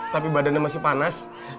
tapi badannya masih panas